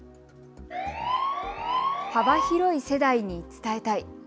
幅広い世代に伝えたい。